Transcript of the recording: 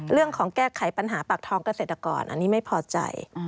เรื่องของแก้ไขปัญหาปากท้องเกษตรกรอันนี้ไม่พอใจ